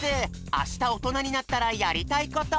「あしたおとなになったらやりたいこと」。